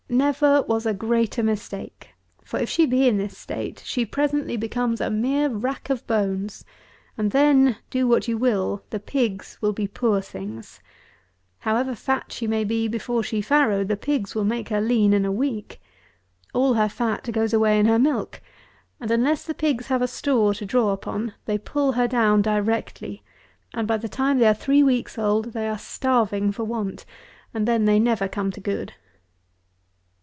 Never was a greater mistake; for if she be in this state, she presently becomes a mere rack of bones; and then, do what you will, the pigs will be poor things. However fat she may be before she farrow, the pigs will make her lean in a week. All her fat goes away in her milk, and unless the pigs have a store to draw upon, they pull her down directly; and, by the time they are three weeks old, they are starving for want; and then they never come to good.